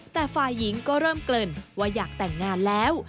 แต่ฝ่ายหญิงก็เริ่มเกริ่นว่าอยากแต่งงานแล้ว